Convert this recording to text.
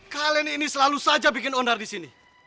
kalian ini selalu saja bikin onar disini